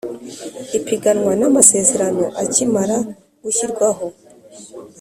ipiganwa n amasezerano akimara gushyirwaho